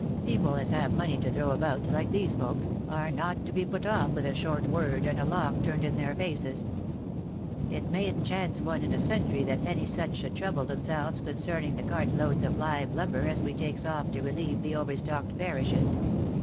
People as have money to throw about, like these folks, are not to be put off with a short word, and a lock turned in their faces. It mayn't chance once in a century that any such should trouble themselves concerning the cart loads of live lumber as we takes off to relieve the overstocked parishes.